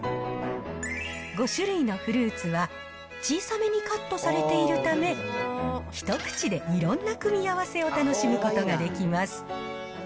５種類のフルーツは、小さめにカットされているため、一口でいろんな組み合わせを楽しむことができます。